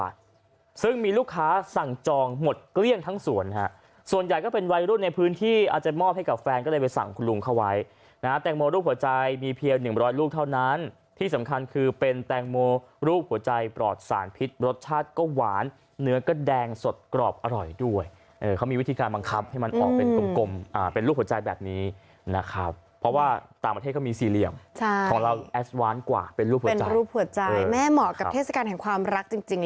ถูกต้องต้องมีเสื้อนักเรียแล้วก็แปะ